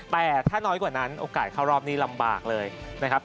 แต่ถ้าน้อยกว่านั้นโอกาสเข้ารอบนี้ลำบากเลยนะครับ